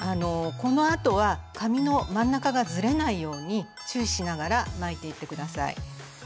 このあとは紙の真ん中がずれないように注意しながら巻いていって下さい。